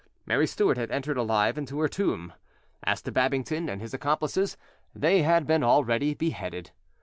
Mary Stuart had entered alive into her tomb. As to Babington and his accomplices, they had been already beheaded.